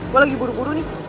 gue lagi buru buru nih